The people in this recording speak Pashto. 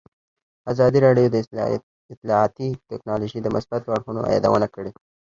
ازادي راډیو د اطلاعاتی تکنالوژي د مثبتو اړخونو یادونه کړې.